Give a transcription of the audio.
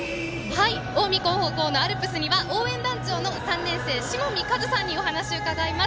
近江高校のアルプスには応援団長の３年生しもみかずさんにお話を伺います。